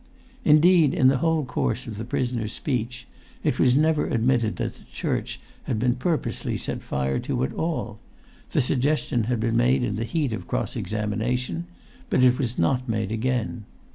Indeed, in the whole course of the prisoner's speech, it was never admitted that the church had been purposely set fire to at all; the suggestion had been made in the heat of cross examination, but it was not made again.